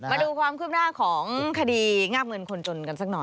มาดูความคืบหน้าของคดีงาบเงินคนจนกันสักหน่อย